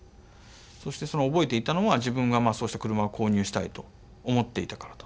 そしてその覚えていたのは自分がそうした車を購入したいと思っていたからだと。